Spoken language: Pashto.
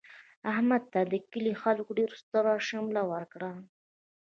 احمد ته د کلي خلکو د ډېر ستره شمله ورکړله.